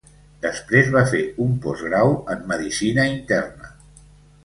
Després va fer un postgrau en medicina interna.